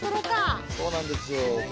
そうなんですよ。